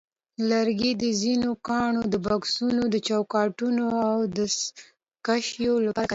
لرګي د ځینو ګاڼو د بکسونو، چوکاټونو، او دستکشیو لپاره کارېږي.